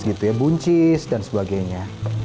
gitu ya buncis dan sebagainya